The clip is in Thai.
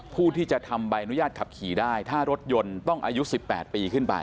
ผู้ที่จะทำใบอนุญาตขับขี่ได้ถ้ารถยนต์ต้องอายุ๑๘ปีขึ้นไป